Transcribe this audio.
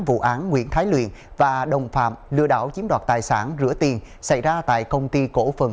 vụ án nguyễn thái luyện và đồng phạm lừa đảo chiếm đoạt tài sản rửa tiền xảy ra tại công ty cổ phần